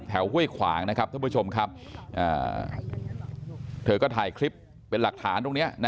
ห้วยขวางนะครับท่านผู้ชมครับเธอก็ถ่ายคลิปเป็นหลักฐานตรงนี้นะ